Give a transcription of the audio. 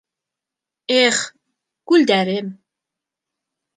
Эх, күлдәрем